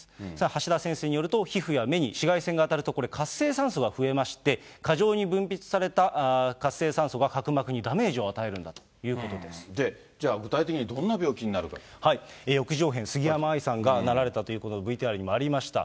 橋田先生によると、皮膚や目に紫外線が当たるとこれ、活性酸素が増えまして、過剰に分泌された活性酸素が角膜にダメージを与えるんだというこじゃあ具体的にどんな病気に翼状片、杉山愛さんがなられたということで、ＶＴＲにもありました。